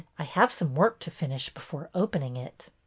I have some work to finish before opening it."